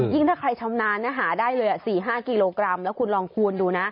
ถ้าใครชำนาญนะหาได้เลย๔๕กิโลกรัมแล้วคุณลองคูณดูนะ